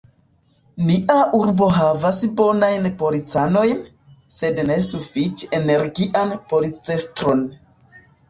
Nia urbo havas bonajn policanojn, sed ne sufiĉe energian policestron.